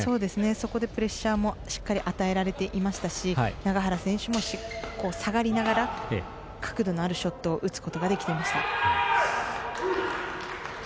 そこでプレッシャーもしっかり与えられていましたし永原選手も下がりながら角度のあるショットを打つことができていました。